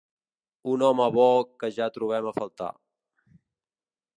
Un home bo que ja trobem a faltar.